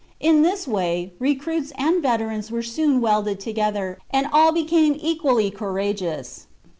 In this way, recruits and veterans were soon welded together, and all became equally courageous.